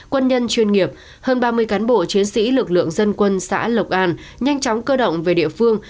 quân nhân chuyên nghiệp hơn ba mươi cán bộ chiến sĩ lực lượng dân quân xã lộc an nhanh chóng cơ động về địa phương